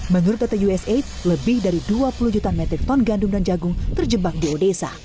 menurut data usaid lebih dari dua puluh juta metrik ton gandum dan jagung terjebak di odesa